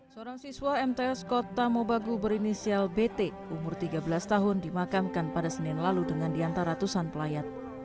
seorang siswa mts kota mobagu berinisial bt umur tiga belas tahun dimakamkan pada senin lalu dengan diantara tusan pelayat